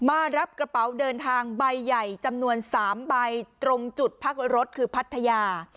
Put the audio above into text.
มารับกระเป๋าเดินทางใบใหญ่จำนวน๓ใบตรงจุดพักรถคือพัทยา